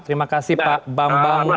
terima kasih pak bambang